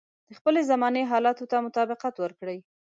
د خپلې زمانې حالاتو ته مطابقت ورکړي.